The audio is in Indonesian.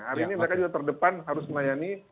hari ini mereka juga terdepan harus melayani